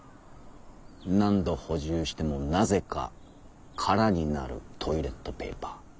「何度補充してもなぜかカラになるトイレットペーパー」。